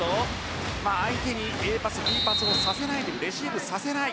相手にＡパス、Ｂパスをさせないレシーブさせない。